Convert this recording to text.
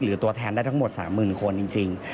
ตัวแทนได้ทั้งหมด๓๐๐๐คนจริง